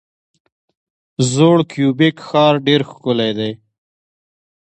زوړ کیوبیک ښار ډیر ښکلی دی.